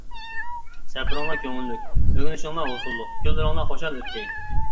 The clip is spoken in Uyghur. سەپىرىڭلار كۆڭۈللۈك، ئۆگىنىشىڭلار ھوسۇللۇق، كۈنلىرىڭلار خۇشال ئۆتكەي!